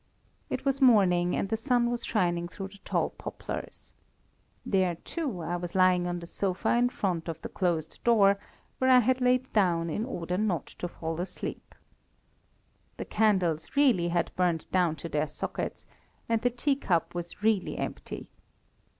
It was morning, and the sun was shining through the tall poplars. There, too, I was lying on the sofa in front of the closed door, where I had laid down in order not to fall asleep. The candles really had burnt down to their sockets, and the teacup was really empty.